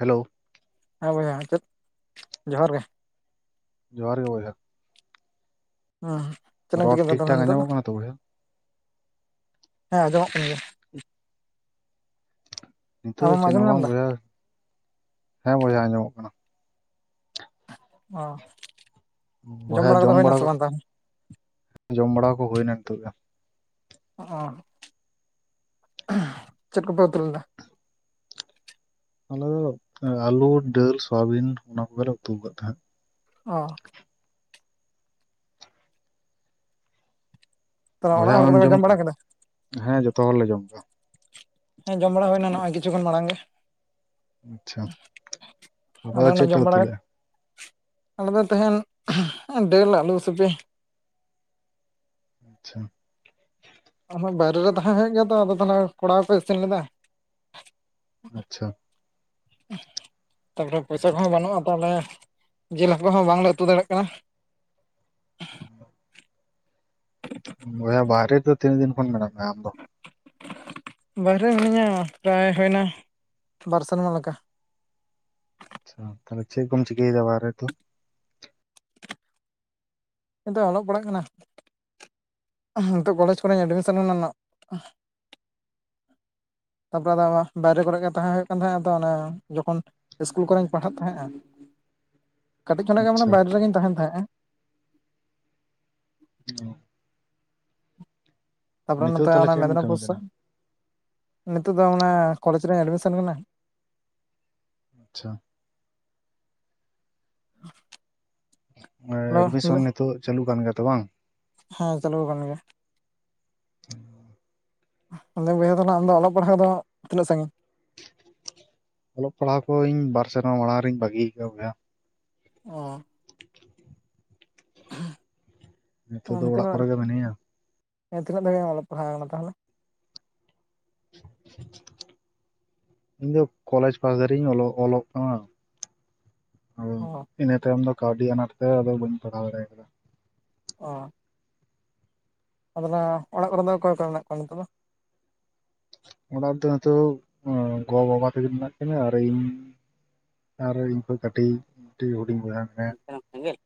Hello ᱦᱮᱸ ᱵᱚᱭᱡᱟ ᱪᱮᱫ ᱡᱚᱦᱟᱨ ᱜᱮ᱾ ᱡᱚᱦᱟᱨ ᱜᱮ ᱵᱚᱭᱦᱟ᱾ ᱦᱮᱸ ᱪᱮᱫ ᱨᱚᱲ ᱪᱤᱠᱟᱹ ᱱᱤᱛᱚᱜ ᱴᱷᱤᱠ ᱫᱚ ᱦᱮᱸ ᱴᱷᱟᱠ ᱟᱸᱡᱚᱢᱚᱜ ᱠᱟᱱᱟ ᱛᱚ ᱵᱚᱭᱦᱟ ᱠᱟᱱ ᱜᱮᱭᱟ ᱦ [inaudible] ᱱᱤᱛᱚᱜ ᱫᱚ ᱟᱢᱮᱢ ᱪᱮᱫ ᱟᱸᱡᱚᱢ ᱦᱚᱸ ᱧᱟᱢ ᱵᱟᱝ ᱮᱫᱟ ᱵᱚᱭᱦᱟ ᱦᱮᱸ ᱵᱚᱭᱦᱟ ᱟᱸᱡᱚᱢᱚᱜ ᱠᱟᱱᱟ ᱚ ᱵᱚᱭᱦᱟ ᱠᱚᱫᱚ ᱡᱚᱢ ᱦᱩᱭᱱᱟ ᱵᱟᱲᱟ ᱥᱮ ᱠᱚ ᱵᱟᱝ ᱛᱟᱦᱚᱞᱮ ᱡᱚᱢ ᱵᱟᱲᱟ ᱠᱚ ᱦᱩᱭᱱᱟ ᱱᱤᱛᱚᱜ ᱚ ᱪᱮᱫ ᱠᱚᱯᱮ ᱩᱛᱩᱞᱮᱰᱟ? ᱟᱞᱮ ᱫᱚ ᱟᱹᱞᱩ ᱫᱟᱹᱞ ᱥᱚᱣᱟᱵᱤᱱ ᱱᱚ-ᱟ ᱠᱚᱜᱮᱞᱮ ᱩᱛᱩ ᱟᱠᱟᱫ ᱛᱟᱦᱮᱸᱫ᱾ ᱚ ᱛᱟᱦᱚᱞᱮ ᱚᱲᱟᱜ ᱵᱚᱭᱦᱟ ᱦᱚᱲ ᱟᱢ ᱠᱚᱫᱚ ᱠᱚ ᱡᱚᱢ ᱵᱟᱲᱟ ᱠᱮᱫᱟ ᱠᱮ-ᱟ ᱦᱮᱸ ᱡᱚᱛᱚ ᱦᱚᱲᱞᱮ ᱡᱚᱢ ᱠᱮ-ᱟ ᱦᱮᱸ ᱡᱚᱢ ᱵᱟᱲᱟ ᱦᱩᱭ ᱱᱟ ᱱᱚᱜ-ᱚᱭ ᱠᱤᱪᱷᱩ ᱠᱷᱚᱱ ᱢᱟᱲᱟᱝ ᱜᱮ ᱟᱪᱪᱷᱟ ᱟᱯᱮ ᱟᱫᱚ ᱫᱚ ᱪᱮ ᱚᱱᱟ ᱯᱮ ᱡᱚᱢ ᱵᱟᱲᱟ ᱩᱛᱩ ᱞᱮᱫᱟ? ᱟᱞᱮ ᱫᱚ ᱛᱮᱦᱮᱱ ᱰᱚᱞ ᱟᱞᱩᱥᱤᱯᱤ᱾ ᱟᱪᱷᱟ ᱟ ᱵᱟᱭᱨᱮ ᱨᱮ ᱛᱟᱦᱮᱸ ᱦᱩᱭᱩᱜ ᱜᱮᱭᱟ ᱛᱚ ᱟᱫᱚ ᱛᱟᱦᱚᱞᱮ ᱠᱚᱲᱟ ᱦᱚᱸᱠᱚ‌ ᱤᱥᱤᱱ ᱞᱮᱫᱟ [unintelligible] ᱟᱪᱷᱟ [inaudible] [inaudible] ᱛᱟᱨᱯᱚᱨᱮ ᱯᱚᱭᱥᱟ ᱠᱚᱦᱚᱸ ᱵᱟᱹᱱᱩᱜ-ᱟ ᱛᱟᱦᱚᱞᱮ ᱡᱤᱞ ᱦᱟᱹᱠᱩ ᱦᱚᱸ ᱵᱟᱝᱞᱮ ᱩᱛᱩ ᱫᱟᱲᱮᱭᱟᱜ ᱠᱟᱱᱟ᱾ ᱦᱮᱸ [inaudible] ᱵᱚᱭᱦᱟ ᱵᱟᱨᱮ ᱫᱚ ᱛᱤᱱ ᱫᱤᱱ ᱠᱷᱚᱱ ᱢᱱᱟᱢ ᱢᱮ ᱟᱢ ᱫᱚ ᱵᱟᱦᱨᱮ ᱢᱤᱱᱟᱹᱧᱟ ᱯᱨᱟᱭ ᱦᱩᱭᱱᱟ ᱵᱟᱨ ᱥᱮᱨᱢᱟ ᱞᱮᱠᱟ᱾ ᱟᱪᱷᱟ ᱛᱚ ᱪᱮᱫ ᱠᱚᱢ ᱪᱤᱠᱟ. ᱭ ᱮᱫᱟ ᱚᱲᱟᱜ ᱨᱮ ᱫᱚ ᱱᱤᱛᱚᱜ ᱚᱞᱚᱜ ᱯᱟᱲᱦᱟᱜ ᱠᱟᱱᱟ ᱱᱤᱛᱚᱜ ᱠᱚᱞᱮᱡᱽ ᱠᱚᱨᱮᱧ ᱮᱰᱢᱤᱥᱮᱱ ᱞᱮᱱᱟ ᱱᱟᱜ ᱛᱟᱨᱯᱚᱨᱮ ᱫᱚ ᱟᱵᱟᱨ ᱵᱟᱦᱨᱮ ᱠᱚᱨᱮᱜ ᱜᱮ ᱛᱟᱸᱦᱮᱱ ᱦᱩᱭᱩᱜ ᱠᱟᱱ ᱛᱟᱦᱮᱸᱱᱟ ᱛᱚ ᱱᱚᱠᱷᱚᱱ ᱡᱚᱠᱷᱚᱱ ᱤᱥᱠᱩᱞ ᱠᱚᱨᱮᱧ ᱯᱟᱲᱦᱟᱜ ᱛᱟᱦᱮᱱᱟ [inaudible] ᱠᱟᱹᱴᱤᱡ ᱠᱷᱚᱱᱟᱜ ᱜᱮ ᱢᱟᱱᱮ ᱟᱪᱪᱷᱟ ᱵᱟᱭᱨᱮ ᱨᱮᱜᱤᱧ ᱛᱟᱦᱮᱱ ᱛᱟᱦᱮᱸ-ᱟ ᱦᱚ ᱛᱟᱨᱯᱚᱨᱮ ᱱᱚᱛᱮ ᱛᱟᱦᱚᱞᱮ ᱚᱱᱟ ᱪᱮᱫ ᱮᱢ ᱠᱟᱹᱢᱤ ᱢᱮᱫᱽᱱᱤᱯᱩᱨ ᱠᱟᱱᱟ ᱥᱮᱫ ᱱᱤᱛᱚᱜ ᱫᱚ ᱚᱱᱟ ᱠᱚᱞᱮᱡᱽ ᱨᱤᱧ ᱮᱰᱢᱤᱥᱚᱱ ᱠᱟᱱᱟ ᱟᱪᱷᱟ [inaudible] ᱚ ᱦᱮᱞᱳ ᱮᱰᱢᱤᱥᱚᱱ ᱱᱤᱛᱚᱜ ᱪᱟᱹᱞᱩ ᱠᱟᱱ ᱜᱮᱭᱟ ᱛᱚ ᱵᱟᱝ ᱦᱮᱸ ᱪᱟᱹᱞᱩ ᱟᱠᱟᱱ ᱜᱮᱭᱟ ᱟᱫᱚ ᱵᱚᱭᱦᱟᱣ ᱛᱚ ᱟᱢᱫᱚ ᱚᱞᱚᱜ ᱯᱟᱲᱦᱟᱜ ᱫᱚ ᱛᱤᱱᱟᱹᱜ ᱥᱟᱺᱜᱤᱧ ᱚᱞᱚᱜ ᱯᱟᱲᱦᱟᱜ ᱠᱚᱧ ᱵᱟᱨ ᱥᱮᱨᱢᱟ ᱢᱟᱲᱟᱝ ᱨᱤᱧ ᱵᱟᱹᱜᱤ ᱟᱹᱠᱟᱫ ᱟ ᱵᱚᱭᱦᱟ ᱚ ᱦᱮᱸ ᱱᱤᱛᱚᱜ ᱫᱚ ᱚᱲᱟᱜ ᱠᱚᱨᱮᱜᱮ ᱢᱤᱱᱟᱹᱧ ᱟ ᱦᱮᱸ ᱛᱤᱱᱟᱹᱜ ᱫᱷᱟᱵᱮᱢ ᱚᱞᱚᱜ ᱯᱟᱲᱦᱟᱣ ᱟᱠᱟᱱᱟ ᱛᱟᱦᱚᱞᱮ [inaudible] ᱤᱧ ᱫᱚ ᱠᱚᱞᱮᱡᱽ ᱯᱟᱥ ᱫᱷᱟᱨᱤᱡ-ᱤᱧ ᱚᱞᱚᱜ ᱠᱟᱱᱟ ᱚ ᱤᱱᱟᱹ ᱛᱟᱭᱚᱢ ᱫᱚ ᱠᱟᱹᱣᱰᱤ ᱟᱱᱟᱴ ᱛᱮ ᱟᱫᱚ ᱵᱟᱹᱧ ᱯᱟᱲᱦᱟᱣ ᱫᱟᱲᱮ ᱠᱟᱫᱟ ᱚ ᱟᱫᱚ-ᱱᱟ ᱚᱲᱟᱜ ᱠᱚᱨᱮ ᱫᱚ ᱚᱠᱚᱭ-ᱠᱚ ᱢᱮᱱᱟᱜ ᱠᱚᱣᱟ ᱱᱤᱛᱚᱜ ᱫᱚ ᱚᱲᱟᱜ ᱨᱮᱫᱚ ᱱᱤᱛᱚᱜ ᱜᱚ-ᱵᱟᱵᱟ ᱛᱟᱠᱤᱱ ᱢᱮᱱᱟᱜ ᱠᱤᱱᱟ ᱟᱨ ᱤᱧ ᱟᱨ ᱤᱧ ᱠᱷᱚᱱ ᱠᱟᱹᱴᱤᱡᱴᱤᱡ [unintelligible] [unintelligible]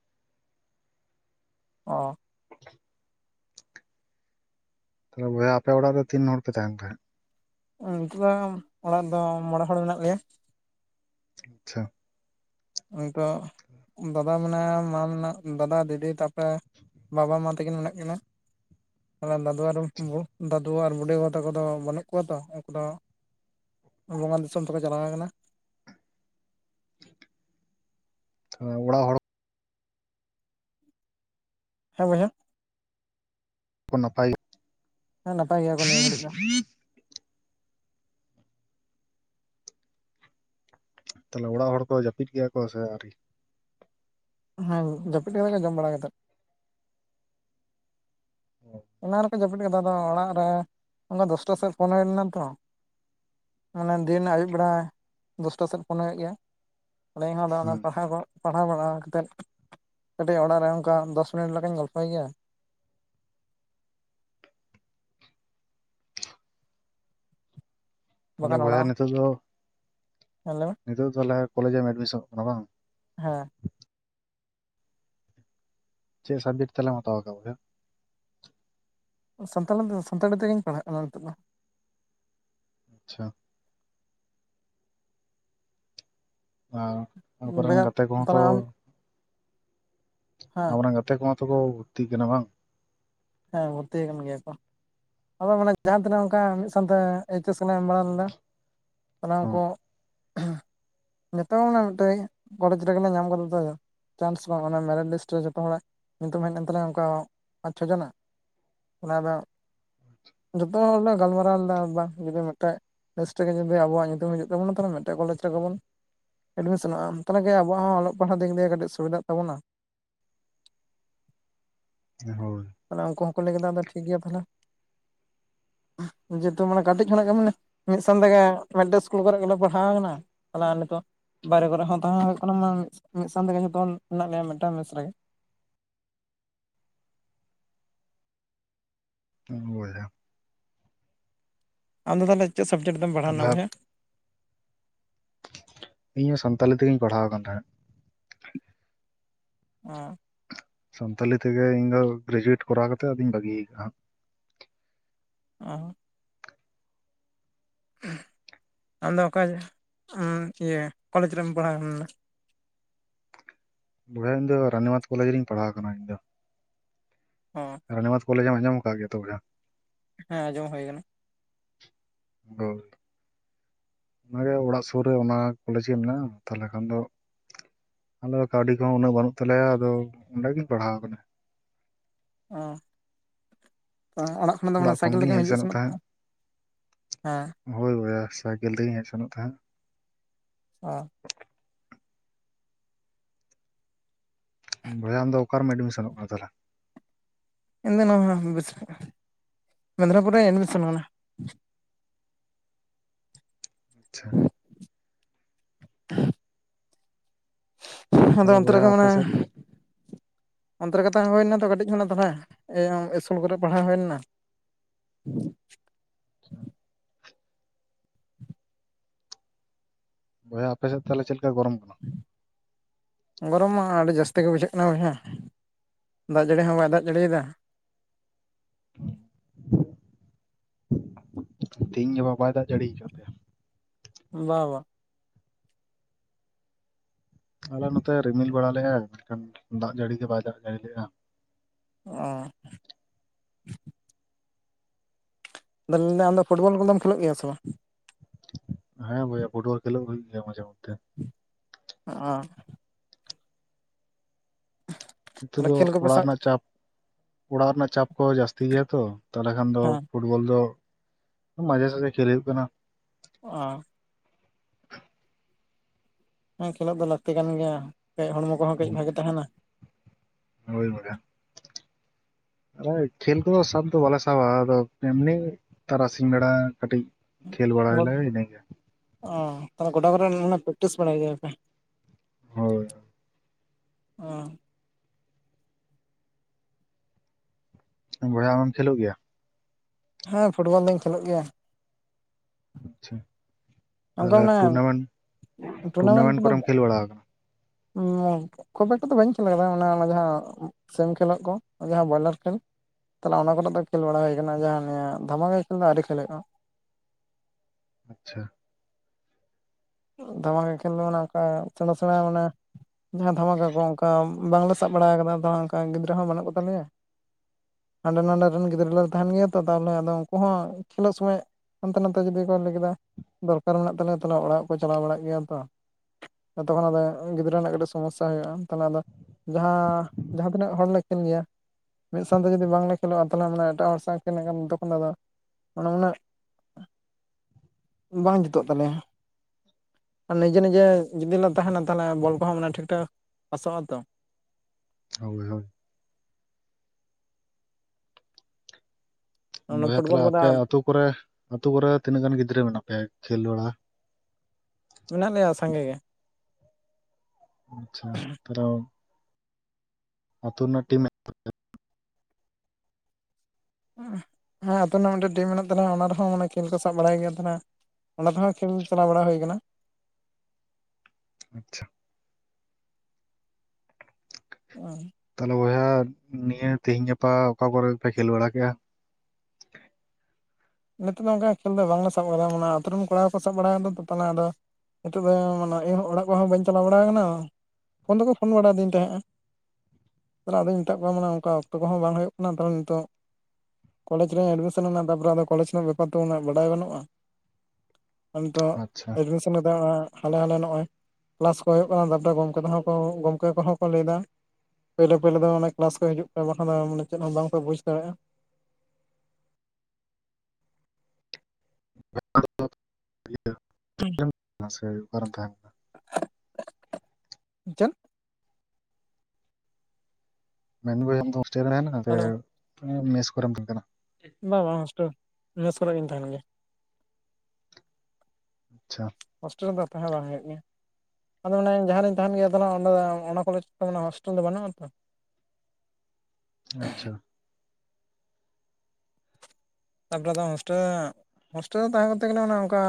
ᱚ [inaudible] ᱛᱟᱦᱮᱞᱮ ᱵᱚᱭᱦᱮ ᱟᱯᱮ ᱚᱲᱟᱜ ᱨᱮ ᱛᱤᱱ ᱦᱚᱲ ᱯᱮ ᱛᱟᱦᱮᱱ ᱛᱟᱦᱮᱸᱫ ᱱᱤᱛᱚᱜ ᱫᱚ ᱚᱲᱟᱜ ᱨᱮᱫᱚ ᱢᱚᱬᱮᱸ ᱦᱚᱲ ᱢᱮᱱᱟᱜ ᱞᱮᱭᱟ ᱟᱪᱪᱷᱟ ᱱᱤᱛᱚᱜ ᱫᱟᱫᱟ ᱢᱮᱱᱟᱭᱟ ᱢᱟ ᱫᱟᱫᱟ ᱫᱤᱫᱤ ᱛᱟᱯᱚᱨᱮ ᱵᱟᱵᱟ ᱢᱟ ᱛᱟᱹᱠᱤᱱ ᱢᱮᱱᱟᱜ ᱠᱤᱱᱟᱹ ᱫᱟᱫᱩ ᱟᱨ ᱫᱟᱹᱫᱩ ᱟᱨ ᱵᱩᱰᱤᱷᱤ ᱜᱚ ᱛᱟᱠᱚ ᱫᱚ ᱵᱟᱹᱱᱩᱜ ᱠᱚᱣᱟ ᱛᱚ ᱩᱱᱠᱩ ᱫᱚ ᱵᱚᱸᱜᱟ ᱫᱤᱥᱚᱢ ᱛᱮᱠᱚ ᱪᱟᱞᱟᱣ ᱠᱟᱱᱟ [inaudible] ᱚᱲᱟᱜ ᱦᱚᱲ ᱦᱮᱸ ᱵᱚᱭᱦᱟ ᱠᱚ ᱱᱟᱯᱟᱭ ᱦᱮᱸ ᱱᱟᱯᱟᱭ ᱜᱮᱭᱟ ᱠᱚ ᱱᱤᱭᱟᱹ ᱜᱷᱟᱹᱲᱤᱡ ᱫᱚ ᱛᱟᱦᱞᱮ ᱚᱲᱟᱜ ᱦᱚᱲ ᱠᱚ ᱡᱟᱹᱯᱤᱫ ᱜᱮᱭᱟ ᱠᱚ ᱥᱮ ᱟᱨᱣᱨᱤ ᱦᱮᱸ ᱡᱟᱹᱯᱤᱫ ᱠᱮᱫᱟ ᱠᱚ ᱡᱚᱢ ᱵᱟᱲᱟ ᱠᱟᱛᱮᱜ ᱮᱱᱟᱝ ᱨᱮᱠᱚ ᱡᱟᱹᱯᱤᱫ ᱠᱮᱫᱟ ᱟᱫᱚ ᱚᱲᱟᱜ ᱨᱮ ᱚᱱᱠᱟ ᱫᱚᱥᱴᱟ ᱥᱮᱫ ᱯᱷᱳᱱ ᱦᱩᱭ ᱞᱮᱱᱟ ᱛᱚ ᱢᱟᱱᱮ ᱫᱤᱱ ᱟᱹᱭᱩᱵ ᱵᱮᱲᱟ ᱫᱚᱥᱴᱟ ᱥᱮᱫ ᱯᱷᱳᱱ ᱦᱩᱭᱩᱜ ᱜᱮᱭᱟ ᱞᱟᱹᱭ ᱫᱟᱹᱧ ᱚᱱᱟ ᱦᱩᱸ ᱯᱟᱲᱦᱟᱣ ᱠᱚ ᱯᱟᱲᱦᱟᱣ ᱵᱟᱲᱟ ᱠᱟᱛᱮᱫ ᱠᱟᱹᱴᱤᱡ ᱚᱲᱟᱜ ᱨᱮ ᱚᱱᱠᱟ ᱫᱚᱥ ᱢᱤᱱᱤᱴ ᱞᱮᱠᱟᱧ ᱜᱚᱞᱯᱷᱚᱭ ᱜᱮᱭᱟ [inaudible] ᱛᱟᱦᱚᱞᱮ ᱵᱟᱠᱷᱟᱱ ᱵᱚᱭᱟ ᱚᱲᱟᱜ ᱱᱤᱛᱚᱜ ᱫᱚ ᱦᱮᱸ ᱞᱟᱹᱭ ᱢᱮ ᱱᱤᱛᱚᱜ ᱛᱟᱦᱚᱞᱮ ᱠᱚᱞᱮᱡᱮᱢ ᱮᱰᱢᱤᱥᱚᱱᱚᱜ ᱠᱟᱱᱟ ᱵᱟᱝ ᱦᱮᱸ ᱪᱮᱫ ᱥᱟᱚᱵᱡᱮᱠᱴ ᱛᱟᱦᱞᱮᱢ ᱦᱟᱛᱟᱣᱟ ᱠᱟ-ᱟ ᱵᱚᱭᱦᱟ ᱥᱟᱱᱛᱟᱲᱤ ᱥᱟᱱᱛᱟᱲᱤ ᱛᱮᱜᱤᱧ ᱯᱟᱲᱦᱟᱜ ᱠᱟᱱᱟ ᱱᱤᱛᱚᱜ ᱫᱚ ᱟᱪᱪᱷᱟ ᱟᱨ ᱫᱚ ᱟᱯᱚᱨᱱ ᱵᱚᱭᱦᱟ ᱜᱟᱛᱮ ᱠᱚᱦᱚᱸ ᱛᱚ ᱛᱟᱦᱚᱞᱮ ᱟᱢ ᱦᱮᱸ ᱟᱵ ᱚᱱᱟ ᱜᱟᱛᱮ ᱠᱚ ᱢᱟ ᱛᱚᱠᱚ ᱵᱷᱚᱛᱛᱤᱜ ᱠᱟᱱᱟ ᱵᱟᱝ ᱦᱮᱸ ᱵᱷᱩᱨᱛᱤ ᱟᱠᱟᱱ ᱜᱮᱭᱟ ᱠᱚ ᱟᱫᱚ ᱢᱟᱱᱮ ᱡᱟᱦᱟᱸ ᱛᱤᱱᱟᱹᱜ ᱚᱱᱠᱟ ᱢᱤᱫ ᱥᱟᱶᱛᱮ ᱮᱭᱤᱪ ᱮᱥ ᱠᱚᱮ ᱮᱢ ᱵᱟᱲᱟ ᱞᱮᱫᱟ ᱥᱟᱱᱟᱢ ᱠᱚ ᱦᱮᱸ ᱡᱚᱛᱚᱮ ᱢᱤᱫᱴᱮᱡ ᱠᱚᱞᱮᱡᱽ ᱨᱮᱜᱮᱞᱮ ᱧᱟᱢ ᱠᱟᱫᱟ ᱛᱟᱭ ᱫᱚ ᱪᱟᱱᱥ ᱵᱟᱝ ᱚᱱᱟ ᱢᱮᱨᱤᱴ ᱞᱤᱥᱴ ᱨᱮ ᱡᱚᱛᱚ ᱦᱚᱲᱟᱜ ᱧᱩᱛᱩᱢ ᱦᱮᱡᱱ ᱛᱟᱞᱮᱭᱟ ᱚᱱᱠᱟ ᱯᱟᱸᱪ ᱪᱷᱚ ᱡᱚᱱᱟᱜ ᱚᱱᱟ ᱫᱚ ᱡᱚᱛᱚ ᱦᱚᱲᱞᱮ ᱜᱟᱞᱢᱟᱨᱟᱣ ᱞᱮᱫᱟ ᱵᱟᱝ ᱡᱩᱫᱤ ᱢᱤᱫᱴᱮᱱ ᱱᱮᱥᱴ ᱜᱮ ᱡᱩᱫᱤ ᱟᱵᱚᱣᱟᱜ ᱧᱩᱛᱩᱢ ᱦᱤᱡᱩᱜ ᱛᱟᱵᱚᱱᱟ ᱛᱟᱦᱚᱞᱮ ᱢᱤᱫᱴᱮᱡ ᱠᱚᱞᱡᱽ ᱨᱮᱜᱮ ᱵᱚᱱ ᱮᱰᱢᱤᱥᱚᱱᱚᱜᱼᱟ ᱟᱢ ᱛᱟᱦᱚᱞᱱᱟᱜᱮ ᱟᱵᱚᱣᱟᱜ ᱦᱚᱸ ᱚᱞᱚᱜ ᱯᱟᱲᱦᱟᱜ ᱫᱤᱠ ᱫᱤᱭᱮ ᱠᱟᱹᱴᱤᱡ ᱥᱩᱵᱤᱫᱷᱟᱜ ᱛᱟᱵᱚᱱᱟ ᱦᱳᱭ ᱠᱚᱞᱮᱡ ᱠᱮᱫᱟ ᱟᱫᱚ ᱴᱷᱤᱠ ᱜᱮᱭᱟ ᱛᱟᱦᱚᱞᱮ [inaudible] ᱡᱮᱦᱮᱛᱩ ᱢᱟᱱᱮ ᱠᱟᱹᱴᱤᱡ ᱠᱷᱚᱱᱟᱜ ᱜᱮ ᱢᱟᱱᱮ ᱢᱤᱫ ᱥᱚᱝ ᱛᱮᱜᱮ ᱢᱤᱫᱴᱮᱱ ᱤᱥᱠᱩᱞ ᱠᱚᱨᱮ ᱜᱮᱞᱮ ᱯᱟᱲᱦᱟᱣ ᱠᱟᱱᱟ ᱛᱟᱦᱚᱞᱮ ᱱᱤᱛᱚᱜ ᱵᱟᱨᱨᱮ ᱠᱚᱨᱮᱜ ᱦᱚᱸ ᱛᱟᱦᱮᱸ ᱦᱩᱭᱩᱜ ᱠᱟᱱᱟ ᱢᱟ ᱢᱤᱫ ᱥᱟᱶ ᱛᱮᱜᱮ ᱡᱚᱛᱚ ᱢᱮᱱᱟᱜ ᱞᱮᱭᱟ ᱢᱤᱫᱴᱟᱝ ᱢᱮᱥ ᱨᱮᱜᱮ [inaudible] ᱵᱚᱭᱦᱟ ᱟᱢᱫᱚ ᱛᱟᱦᱚᱞᱮ ᱪᱮᱫ ᱥᱟᱵᱡᱮᱠᱴ ᱛᱮᱢ ᱯᱟᱲᱦᱟᱣᱱᱟ ᱛᱟᱦᱚᱞᱮ ᱵᱚᱭᱦᱟ ᱤᱧ ᱦᱚᱸ ᱥᱟᱱᱛᱟᱞᱤ ᱛᱮᱜᱤᱧ ᱯᱟᱲᱦᱟᱣ ᱟᱠᱟᱱ ᱛᱟᱦᱮᱸᱜ ᱦᱸ ᱥᱟᱱᱛᱟᱞᱤ ᱛᱮᱜᱮ ᱤᱧ ᱫᱚ ᱜᱨᱮᱡᱩᱭᱮᱴ ᱠᱚᱨᱟᱣ ᱠᱟᱛᱮᱜ ᱟᱫᱚᱧ ᱵᱟᱹᱜᱤᱭ ᱠᱟᱜᱼᱟ ᱟᱨ ᱟᱢᱫᱚ ᱚᱠᱟ ᱤᱭᱟᱹ ᱠᱚᱞᱮᱡᱽ ᱨᱮᱢ ᱯᱟᱲᱦᱟᱣᱱᱟ ᱵᱚᱭᱦᱮ ᱤᱧ ᱫᱚ ᱨᱟᱱᱤᱣᱟᱷ ᱠᱚᱞᱮᱡᱽ ᱨᱤᱧ ᱯᱟᱲᱦᱟᱣ ᱟᱠᱟᱱᱟ ᱤᱧ ᱫᱚ ᱦᱮᱸ ᱨᱟᱱᱤᱵᱟᱸᱫᱽ ᱠᱚᱞᱮᱡᱽ ᱢᱟ ᱧᱟᱢᱠᱟᱟᱜ ᱜᱮᱭᱟ ᱛᱚ ᱵᱚᱭᱦᱟ ᱦᱮᱸ ᱟᱸᱡᱚᱢ ᱦᱩᱭᱠᱟᱱᱟ [unintelligible] ᱦ ᱚᱱᱟᱜᱮ ᱚᱲᱟᱜ ᱥᱩᱨ ᱨᱮ ᱚᱱᱟ ᱠᱚᱞᱮᱡᱽ ᱜᱮ ᱢᱮᱱᱟᱜᱼᱟ ᱛᱟᱦᱚᱞᱮ ᱠᱷᱟᱱ ᱫᱚ ᱟᱞᱮ ᱠᱟᱹᱣᱰᱤ ᱠᱚᱦᱚᱸ ᱩᱱᱟᱹᱜ ᱵᱟᱹᱱᱩᱜ ᱛᱟᱞᱮᱭᱟ ᱟᱫᱚ ᱚᱸᱰᱮ ᱜᱤᱧ ᱯᱟᱲᱦᱟᱣ ᱠᱟᱱᱟ ᱚ ᱚᱲᱟᱜ ᱠᱷᱚᱱᱟᱜ ᱫᱚ ᱢᱟᱱᱮ ᱠᱷᱚᱱ ᱥᱟᱭᱠᱮᱞ ᱜᱤᱧ ᱛᱮᱜᱮᱢ ᱦᱮᱡ ᱦᱤᱡᱩᱜ ᱥᱮᱱᱚᱜ ᱛᱮ ᱛᱟᱦᱮᱸᱫ ᱦᱮᱸ ᱦᱳᱭ ᱵᱚᱭᱦᱟ ᱥᱟᱭᱠᱮᱞ ᱛᱮᱜᱤᱧ ᱦᱮᱡ ᱥᱮᱱᱚᱜ ᱛᱟᱦᱮᱸᱫ ᱚ ᱵᱚᱭᱦᱟ ᱟᱢ ᱫᱚ ᱚᱠᱟᱨᱮᱢ ᱮᱰᱢᱤᱥᱚᱱᱚᱜ ᱠᱟᱱᱟ ᱛᱟᱦᱞᱮ ᱤᱧ ᱫᱚ ᱱᱤᱭᱟᱹ ᱢᱮᱫᱽᱱᱟᱯᱩᱨ ᱥᱮᱡ ᱨᱮ ᱢᱮᱫᱽᱱᱟᱯᱩᱨ ᱨᱮᱭ ᱮᱰᱢᱤᱥᱮᱱ ᱟᱠᱟᱱᱟ [inaudible] ᱟᱪᱪᱷᱟ [unintelligible] ᱛ ᱟᱫᱚ ᱛᱟᱦᱚᱞᱮ ᱚᱱᱛᱮ ᱵᱚᱭᱦᱟ ᱨᱮᱜᱮ ᱟᱯᱮ ᱢᱟᱱᱮ ᱥᱮᱫ ᱚᱱᱛᱮ ᱨᱮᱜᱮ ᱦᱟᱛᱟᱣ ᱦᱩᱭᱱᱟ ᱛᱚ ᱠᱟᱹᱴᱤᱡ ᱠᱷᱚᱱᱟᱜ ᱛᱟᱦᱚᱞᱮ ᱤᱥᱠᱩᱞ ᱠᱚᱨᱮ ᱯᱟᱲᱦᱟᱣ ᱦᱩᱭᱱᱟ [unintelligible] ᱦᱮᱸ ᱟᱪᱪᱷᱟ ᱵᱚᱭᱦᱟ ᱟᱯᱮ ᱥᱮᱫ ᱛᱟᱦᱚᱞᱮ ᱪᱮᱫ ᱞᱮᱠᱟ ᱜᱚᱨᱚᱢ ᱠᱟᱱᱟ ᱜᱚᱨᱚᱢ ᱢᱟ ᱟᱹᱰᱤ ᱡᱟᱹᱥᱛᱤ ᱜᱮ ᱵᱩᱡᱷᱟᱹᱜ ᱠᱟᱱᱟ ᱵᱚᱭᱦᱟ ᱫᱟᱜ ᱡᱟᱹᱲᱤ ᱦᱚᱸ ᱵᱟᱭ ᱫᱟᱜ ᱡᱟᱹᱲᱤᱭᱟᱫᱟ ᱛᱮᱦᱤᱧ ᱜᱟ ᱵᱟ ᱵᱟᱭ ᱫᱟᱜ ᱡᱟᱹᱲᱤ ᱠᱟᱫ ᱯᱮᱭᱟ ᱵᱟ-ᱵᱟ ᱟᱞᱮ ᱱᱚᱛᱮ ᱨᱤᱢᱤᱞ ᱵᱟᱲᱟ ᱞᱮᱫᱟᱭ ᱢᱮᱱᱠᱷᱟᱱ ᱫᱟᱜ ᱡᱟᱹᱲᱤ ᱫᱚ ᱵᱟᱭ ᱫᱟᱜ ᱡᱟᱹᱲᱤ ᱞᱮᱜᱼᱟ᱾ ᱚ ᱟᱫᱚ ᱢᱮᱱᱟᱹ ᱟᱢᱫᱚ ᱯᱷᱩᱴᱵᱚᱞ ᱠᱚᱫᱚᱢ ᱠᱷᱮᱞᱳᱜ ᱜᱮᱭᱟ ᱥᱮ ᱵᱟᱝ? ᱦᱮᱸ ᱵᱚᱭᱦᱟ ᱯᱷᱩᱴᱵᱚᱞ ᱠᱷᱮᱞᱚᱜ ᱦᱩᱭᱩᱜ ᱜᱮᱭᱟ ᱢᱟᱡᱷᱮ ᱢᱚᱫᱽᱫᱷᱮ᱾ ᱚ ᱱᱤᱛᱚᱜ ᱛᱟᱦᱚᱞᱮ ᱫᱚ ᱠᱷᱮᱞ ᱠᱚᱯᱮ ᱚᱲᱟᱜ ᱥᱟᱵ ᱨᱮᱱᱟᱜ ᱪᱟᱯ ᱚᱲᱟᱜ ᱨᱮᱱᱟᱜ ᱪᱟᱯ ᱠᱚ ᱡᱟᱹᱥᱛᱤ ᱜᱮᱭᱟᱛᱚ ᱛᱟᱦᱚᱞᱮ ᱠᱷᱟᱱ ᱫᱚ ᱦᱮᱸ ᱯᱷᱩᱴᱵᱚᱞ ᱫᱚ ᱢᱟᱡᱷᱮ ᱥᱟᱡᱷᱮ ᱠᱷᱮᱞ ᱦᱩᱭᱩᱜ ᱠᱟᱱᱟ᱾ ᱚ ᱦᱮᱸ ᱠᱷᱮᱞᱳᱜ ᱫᱚ ᱞᱟᱹᱠᱛᱤ ᱠᱟᱱ ᱜᱮᱭᱟ ᱠᱟᱹᱡ ᱦᱚᱲᱢᱚ ᱠᱚᱦᱚᱸ ᱠᱟᱹᱡ ᱵᱷᱟᱹᱜᱮ ᱛᱟᱦᱮᱱᱟ᱾ ᱦᱚᱭ ᱵᱚᱭᱦᱟ᱾ ᱠᱷᱮᱞ ᱫᱚ ᱥᱟᱵ ᱫᱚ ᱵᱟᱞᱮ ᱥᱟᱵᱟ ᱟᱫᱚ ᱮᱢᱱᱤ ᱛᱟᱨᱟᱥᱤᱧ ᱵᱮᱲᱟ ᱠᱟᱹᱴᱤᱡ [unintelligible] ᱠᱷᱮᱞ ᱵᱟᱲᱟᱭᱟᱞᱮ ᱤᱱᱟᱹᱜᱮ ᱚ ᱛᱟᱦᱮ ᱜᱚᱰᱟ ᱠᱚᱨᱮ ᱯᱨᱮᱠᱴᱤᱥ ᱵᱟᱲᱟᱭ ᱜᱮᱭᱟ ᱯᱮ ᱦᱳᱭ ᱚ ᱵᱚᱭᱦᱟ ᱟᱢᱮᱢ ᱠᱷᱹᱞᱳᱜ ᱜᱮᱭᱟ? ᱦᱮᱸ ᱯᱷᱩᱴᱵᱚᱞ ᱫᱚᱩᱧ ᱠᱷᱮᱞᱳᱜ ᱜᱮᱭᱟ᱾ ᱟᱪᱪᱷᱟ ᱚᱱᱠᱟ ᱛᱟᱦᱚᱞᱮ ᱢᱮᱟᱱᱮ ᱴᱩᱨᱱᱟᱢᱮᱱᱴ ᱴᱩᱨᱱᱟᱢᱮᱱᱴ ᱠᱚᱫᱚ ᱠᱚᱨᱮᱢ ᱠᱷᱮᱞ ᱵᱟᱲᱟ ᱟᱠᱟᱱᱟ? ᱠᱷᱩᱵ ᱮᱠᱴᱟ ᱫᱚ ᱵᱟᱹᱧ ᱠᱷᱮᱞ ᱠᱟᱫᱟ ᱚᱱᱟ ᱚᱱᱟ ᱡᱟᱦᱟᱸ ᱥᱮᱢ ᱠᱷᱮᱞᱚᱜ ᱠᱚ ᱡᱟᱦᱟᱸ ᱵᱚᱭᱞᱚᱠ ᱠᱷᱮᱞ ᱛᱟᱦᱚᱞᱮ ᱚᱱᱟ ᱠᱚᱨᱮᱜ ᱫᱚ ᱠᱷᱮᱞ ᱵᱟᱲᱟ ᱦᱩᱭ ᱠᱟᱱᱟ ᱡᱟᱦᱟᱸ ᱱᱤᱭᱟᱹ ᱫᱷᱟᱢᱟᱠ ᱠᱷᱮᱞ ᱫᱚ ᱟᱹᱣᱨᱤ ᱠᱷᱮᱞ ᱦᱩᱭᱩᱜᱼᱟ᱾ ᱟᱪᱪᱷᱟ ᱫᱷᱟᱢᱟᱠᱟ ᱠᱷᱮᱞ ᱫᱚ ᱚᱱᱠᱟ ᱪᱟᱸᱫ ᱥᱮᱬᱟ ᱢᱟᱱᱮ ᱡᱟᱦᱟᱸ ᱫᱷᱟᱢᱟᱠᱟ ᱠᱚ ᱚᱱᱠᱟ ᱵᱟᱝᱞᱮ ᱥᱟᱵ ᱵᱟᱲᱟ ᱠᱟᱫᱟ ᱛᱷᱚᱲᱟ ᱚᱱᱠᱟ ᱜᱤᱫᱽᱨᱟᱹ ᱦᱚᱸ ᱵᱟᱹᱱᱩᱜ ᱠᱚᱛᱟ ᱞᱮᱭᱟ ᱦᱟᱸᱰᱮ ᱱᱟᱰᱮ ᱨᱮᱱ ᱜᱤᱫᱽᱨᱟᱹ ᱞᱮ ᱛᱟᱦᱮᱱ ᱜᱮᱭᱟ ᱛᱚ ᱛᱟᱦᱚᱞᱮ ᱟᱫᱚ ᱩᱱᱠᱩ ᱦᱚᱸ ᱠᱷᱮᱞᱳᱜ ᱥᱚᱢᱚᱭ ᱦᱟᱱᱛᱮ ᱱᱟᱛᱮ ᱡᱩᱫᱤ ᱠᱚ ᱞᱟᱹᱭ ᱠᱮᱫᱟ ᱫᱚᱨᱠᱟᱨ ᱢᱮᱱᱟᱜ ᱛᱟᱞᱮᱭᱟ ᱛᱟᱦᱚᱞᱮ ᱚᱲᱟᱜ ᱠᱚ ᱪᱟᱞᱟᱣ ᱵᱟᱲᱟᱜ ᱜᱮᱭᱟ ᱛᱚ᱾ ᱡᱚᱛᱚᱠᱷᱚᱱ ᱟᱫᱚ ᱜᱤᱫᱽᱨᱟᱹ ᱨᱮᱱᱟᱜ ᱠᱟᱹᱴᱤᱡ ᱥᱚᱢᱚᱥᱥᱟ ᱦᱩᱭᱩᱜᱼᱟ ᱛᱟᱦᱚᱞᱮ ᱟᱫᱚ ᱡᱟᱦᱟᱸ ᱡᱟᱦᱟᱸ ᱛᱤᱱᱟᱹᱜ ᱦᱚᱲᱞᱮᱠᱤᱱ ᱜᱮᱭᱟ ᱢᱤᱫ ᱥᱟᱶᱛᱮ ᱡᱩᱫᱤ ᱵᱟᱝᱞᱮ ᱠᱷᱮᱞᱳᱜᱼᱟ ᱛᱟᱦᱚᱞᱮ ᱢᱟᱱᱮ ᱮᱴᱟᱜ ᱦᱚᱲ ᱥᱟᱶᱞ ᱠᱷᱮᱞ ᱞᱮᱠᱷᱟᱱ ᱛᱚᱠᱷᱚᱱ ᱫᱚ ᱟᱫᱚ ᱚᱱᱟ ᱢᱟᱱᱮ ᱵᱟᱝ ᱡᱩᱛᱩᱜ ᱛᱟᱞᱮᱭᱟ ᱟᱨ ᱱᱤᱡᱮ ᱱᱤᱡᱮ ᱡᱩᱫᱤ ᱞᱮ ᱛᱟᱦᱮᱱᱟ ᱛᱟᱦᱞᱮ ᱵᱚᱞ ᱠᱚᱦᱚᱸ ᱢᱟᱱᱮ ᱴᱷᱤᱠᱼᱴᱷᱟᱠ ᱯᱟᱥᱚᱜ ᱟᱛᱚ ᱦᱳᱭ ᱦᱳᱭ ᱚᱱᱟ ᱵᱚᱭᱦᱟ ᱛᱟᱦᱞᱮ ᱯᱷᱩᱴᱵᱚᱞ ᱵᱟᱫᱟ ᱟᱯᱮ ᱟᱛᱩ ᱠᱚᱨᱮ ᱟᱛᱩ ᱠᱚᱨᱮ ᱛᱤᱱᱟᱹᱜ ᱜᱟᱱ ᱜᱤᱫᱽᱨᱟᱹ ᱢᱮᱱᱟᱜ ᱯᱮᱭᱟ ᱠᱷᱮᱞ ᱵᱟᱲᱟ ᱢᱮᱱᱟᱜ ᱞᱮᱭᱟ ᱥᱟᱸᱜᱮ ᱜᱮ ᱟᱪᱪᱷᱟ ᱦᱮᱞᱳ ᱟᱛᱩ ᱨᱮᱱᱟᱜ ᱴᱤᱢ [unintelligible] [unintelligible] ᱦᱮᱸ ᱟᱛᱩ ᱨᱮᱱᱟᱜ ᱢᱤᱫᱴᱮᱱ ᱴᱤᱢ ᱢᱮᱱᱟᱜ ᱛᱟᱞᱮᱭᱟ ᱚᱱᱟ ᱨᱮᱦᱚᱸ ᱢᱟᱱᱮ ᱠᱷᱮᱞ ᱠᱚ ᱥᱟᱵ ᱵᱟᱲᱟᱭ ᱜᱮᱭᱟ ᱛᱟᱦᱞᱮ ᱚᱱᱟ ᱛᱮᱦᱚᱸ ᱠᱷᱮᱞ ᱪᱟᱞᱟᱣ ᱵᱟᱲᱟ ᱦᱩᱭ ᱟᱠᱟᱱᱟ᱾ ᱟᱪᱪᱷᱟ ᱚ [unintelligible] ᱛᱟᱦᱞᱮ ᱵᱚᱭᱦᱟ ᱱᱤᱭᱟᱹ ᱛᱮᱦᱤᱧ ᱜᱟᱯᱟ ᱚᱠᱟ ᱠᱚᱨᱮ ᱯᱮ ᱠᱷᱮᱞ ᱵᱟᱲᱟ ᱠᱮᱜ-ᱟ [inaudible] ᱱᱤᱛᱚᱜ ᱫᱚ ᱚᱱᱠᱟ ᱠᱷᱮᱞ ᱫᱚ ᱵᱟᱝᱞᱮ ᱥᱟᱵ ᱵᱟᱲᱟ ᱚᱱᱟ ᱟᱛᱳ ᱨᱮᱱ ᱠᱚᱲᱟ ᱠᱚ ᱥᱟᱵ ᱵᱟᱲᱟ ᱮᱫᱟ ᱛᱚ ᱛᱟᱦᱞᱮ ᱟᱫᱚ ᱱᱤᱛᱚᱜ ᱫᱚ ᱢᱟᱱᱮ ᱤᱧ ᱦᱚ ᱚᱲᱟᱜ ᱠᱚᱦᱚᱸ ᱵᱟᱹᱧ ᱪᱟᱞᱟᱣ ᱵᱟᱲᱟ ᱟᱠᱟᱱᱟ [inaudible] ᱯᱷᱳᱱ ᱫᱚᱠᱚ ᱯᱷᱳᱱ ᱵᱟᱲᱟ ᱟᱫᱤᱧ ᱛᱟᱦᱮᱸᱜᱼᱟ [inaudible] ᱚᱞᱟᱜ ᱦᱚᱲᱤᱧ ᱢᱮᱛᱟᱟᱜ ᱠᱚᱣᱟ ᱢᱟᱱᱮ ᱚᱱᱠᱟ ᱚᱠᱛᱚ ᱠᱚᱦᱚᱸ ᱵᱟᱝ ᱦᱩᱭᱩᱜ ᱠᱟᱱᱟ ᱛᱟᱦᱞᱮ ᱱᱤᱛᱚᱜ ᱠᱚᱞᱮᱡᱽ ᱨᱮ ᱮᱰᱢᱤᱥᱮᱱ ᱨᱮᱱᱟᱜ [unintelligible] ᱠᱚᱞᱮᱡᱽ ᱨᱮᱱᱟᱜ ᱵᱮᱯᱟᱨ ᱫᱚ ᱩᱱᱟᱹᱜ ᱵᱟᱰᱟᱭ ᱵᱟᱹᱱᱩᱜᱼᱟ ᱱᱤᱛᱚᱜ ᱟᱪᱪᱷᱟ ᱮᱰᱢᱤᱥᱮᱱ ᱠᱟᱛᱮ ᱦᱚᱸᱦᱟᱜ ᱦᱟᱞᱮ ᱦᱟᱞᱮ ᱱᱚᱜᱼᱚᱭ ᱠᱞᱟᱥ ᱠᱚ ᱦᱩᱭᱩᱜ ᱠᱟᱱᱟ ᱜᱟᱛᱮ ᱜᱚᱢᱠᱮ ᱠᱚᱦᱚᱸ ᱠᱚ ᱜᱚᱢᱠᱮ ᱠᱚᱦᱚᱸ ᱠᱚ ᱞᱟᱹᱭ ᱫᱟ ᱯᱳᱭᱞᱳ ᱯᱳᱭᱞᱳ ᱫᱚ ᱢᱟᱱᱮ ᱠᱞᱟᱥ ᱠᱚ ᱦᱤᱡᱩᱜ ᱯᱮ ᱵᱟᱠᱷᱟᱱ ᱫᱚ ᱢᱟᱱᱮ ᱪᱮᱫ ᱦᱚᱸ ᱵᱟᱝᱯᱮ ᱵᱩᱡᱽ ᱫᱟᱲᱮᱜᱼᱟ ᱨᱮ ᱪᱮᱜ ᱮᱢ ᱠᱞᱟᱥ ᱦᱩᱭᱩᱜ ᱚᱠᱟᱨᱮᱢ ᱛᱟᱸᱦᱮ ᱠᱟᱱᱟ ᱪᱮᱫ [inaudible] ᱢᱮᱱᱩᱣᱮ ᱟᱢ ᱫᱚ ᱦᱚᱥᱴᱮᱞ ᱨᱮ ᱦᱮᱞᱳ ᱛᱟᱦᱮᱱ ᱠᱟᱱᱟ ᱢᱮᱥ ᱠᱚᱨᱮᱢ ᱛᱟᱦᱮᱱ ᱠᱟᱱᱟ ᱵᱟᱝ ᱟ ᱦᱚᱥᱴᱮᱞ ᱢᱮᱥ ᱠᱚᱨᱮ ᱜᱤᱧ ᱛᱟᱦᱮᱱ ᱜᱮᱭᱟ [inaudible] ᱪᱷᱟ ᱦᱳᱥᱴᱮᱞ ᱨᱮᱫᱚ ᱛᱟᱦᱮᱸ ᱵᱟᱝ ᱦᱩᱭᱩᱜ ᱜᱮᱭᱟ [inaudible] ᱟᱫᱚ ᱚᱱᱮᱧ ᱡᱟᱦᱟᱸ ᱨᱤᱧ ᱛᱟᱦᱮᱱ ᱜᱮᱭᱟ ᱛᱟᱦᱞᱮ ᱚᱸᱰᱮ ᱚᱱᱟ ᱠᱚᱨᱮᱡᱽ ᱫᱚ ᱚᱱᱟ ᱦᱳᱥᱴᱮᱞ ᱫᱚ ᱵᱟᱹᱱᱩᱜ ᱟᱛᱚ [inaudible] ᱟᱪᱪᱷᱟ ᱛᱟᱨᱯᱚᱨᱮ ᱟᱫᱚ ᱦᱳᱥᱴᱮᱞ ᱨᱮᱭᱟᱜ ᱦᱳᱥᱴᱮᱞ ᱛᱟᱦᱮᱸ ᱠᱚᱛ ᱛᱮ ᱜᱮᱞᱮ ᱚᱱᱮ ᱚᱱᱠᱟ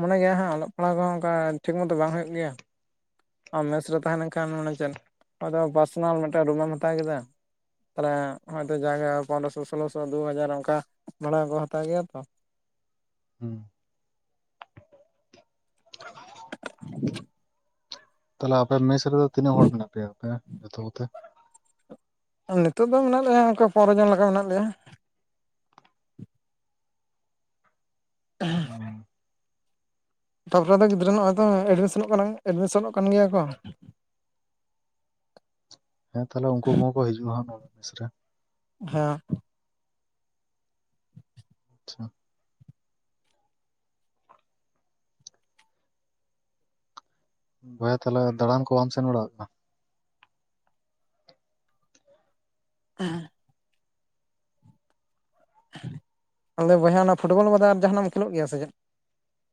ᱢᱚᱱᱮ ᱜᱮᱭᱟ ᱦᱟᱸᱜ ᱚᱞᱚᱜ ᱯᱟᱲᱦᱟᱣ ᱫᱚ ᱚᱱᱠᱟ ᱴᱷᱤᱠ ᱢᱚᱛᱚ ᱵᱟᱝ ᱦᱩᱭᱩᱜ ᱜᱮᱭᱟ ᱟᱢ ᱢᱮᱥ ᱨᱮ ᱛᱟᱦᱮᱸ ᱞᱮᱱᱠᱷᱟᱱ ᱢᱟᱱᱮ ᱪᱮᱫ ᱟᱫᱚ ᱯᱟᱨᱥᱚᱱᱟᱞ ᱢᱤᱫᱴᱮᱱ ᱨᱩᱢᱮᱢ ᱦᱟᱛᱟᱣ ᱠᱮᱫᱟ ᱛᱟᱦᱞᱮ ᱦᱚᱭᱛᱚ ᱡᱟᱦᱟᱜᱮ ᱯᱚᱱᱨᱚ ᱥᱳᱞᱳᱥᱚ ᱛᱚ ᱫᱩᱦᱟᱡᱟᱨ ᱚᱱᱠᱟ ᱵᱷᱟᱲᱟ ᱠᱚ ᱦᱟᱛᱟᱣ ᱜᱮᱭᱟ ᱛᱚ ᱦᱩᱸ ᱛᱟᱦᱞᱮ ᱟᱯᱮ ᱢᱮᱥ ᱨᱮᱫᱚ ᱛᱤᱱᱟᱹᱜ ᱦᱚᱲ ᱢᱮᱱᱟᱜ ᱯᱮᱭᱟ ᱟᱯᱮ ᱡᱚᱛᱚ ᱠᱚᱛᱮ ᱱᱤᱛᱚᱜ ᱫᱚ ᱢᱮᱱᱟᱜ ᱞᱮᱭᱟ ᱚᱱᱠᱟ ᱯᱚᱱᱨᱚ ᱡᱚᱱ ᱞᱮᱠᱟ ᱢᱮᱱᱟᱜ ᱞᱮᱭᱟ ᱦᱮᱸ ᱛᱟᱨᱯᱚᱨᱮ ᱫᱚ ᱜᱤᱫᱽᱨᱟᱹ ᱱᱚᱜᱼᱚᱭ ᱛᱚ ᱮᱰᱢᱤᱥᱚᱱᱚᱜ ᱠᱟᱱᱟ ᱮᱰᱢᱤᱥᱚᱱᱚᱜ ᱠᱟᱱ ᱜᱮᱭᱟ ᱠᱚ ᱦᱮᱸ ᱛᱟᱦᱞᱮ ᱩᱱᱠᱩ ᱠᱚᱦᱚᱸ ᱠᱚ ᱦᱤᱡᱩᱜ ᱟᱸᱦᱟᱜ ᱱᱚᱣᱟ ᱢᱮᱥ ᱨᱮ ᱦᱮᱸ-ᱟ ᱟᱪᱷᱟ ᱵᱳᱭᱦᱟ ᱛᱟᱦᱞᱮ ᱫᱟᱲᱟᱱ ᱠᱚ ᱵᱟᱢ ᱥᱮᱱ ᱵᱟᱲᱟ ᱟᱠᱟᱱᱟ? ᱮᱦᱮᱸ ᱟᱫᱚ ᱵᱚᱭᱦᱟ ᱚᱱᱟ ᱯᱷᱩᱴᱵᱚᱞ ᱵᱟᱫᱮ ᱟᱨ ᱡᱟᱦᱟᱱᱟᱜ ᱮᱢ ᱠᱷᱮᱞᱳᱜ ᱜᱮᱭᱟ ᱥᱮ ᱪᱮᱫ?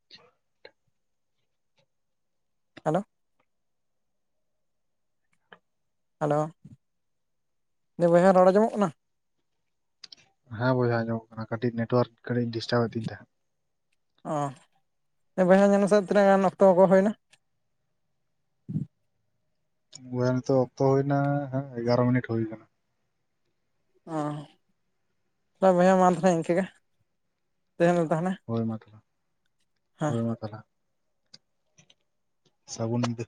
[unintelligible] ᱦᱮᱞᱳ ᱦᱮᱞᱳ ᱫᱮ ᱵᱚᱭᱦᱟ ᱨᱚᱲ ᱟᱸᱡᱚᱢᱚᱜ ᱠᱟᱱᱟ? ᱦᱮᱸ ᱵᱚᱭᱦᱟ ᱠᱟᱹᱴᱤᱡ ᱱᱮᱴᱳᱣᱟᱨᱠ ᱠᱟᱹᱴᱤᱡ ᱰᱤᱥᱴᱟᱵ ᱮᱫ ᱛᱤᱧ ᱛᱟᱦᱮᱸᱫ ᱚ ᱮ ᱵᱚᱭᱦᱟ ᱧᱮᱞ ᱢᱮᱥᱮ ᱛᱤᱱᱟᱹᱜ ᱜᱟᱱ ᱚᱠᱛᱚ ᱠᱚ ᱦᱩᱭ ᱱᱟ? ᱻ ᱱᱤᱛᱚᱜ ᱚᱠᱛᱚ ᱦᱩᱭᱱᱟ ᱮᱜᱟᱨᱚ ᱢᱤᱱᱤᱴ ᱦᱩᱭ ᱠᱟᱱᱟ ᱚ ᱛᱚ ᱵᱚᱭᱦᱟ ᱢᱟ ᱛᱟᱦᱚᱞᱮ ᱤᱱᱠᱟᱹᱜᱮ ᱛᱟᱦᱮᱸ ᱛᱟᱦᱮᱱᱟ ᱦᱳᱭ ᱢᱟ ᱛᱟᱦᱚᱞᱮ ᱦᱮᱸ ᱦᱳᱭ ᱢᱟ ᱥᱟᱹᱜᱩᱱᱤᱫᱟᱹ